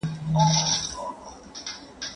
نه، نه! اور د ژوندانه سي موږ ساتلای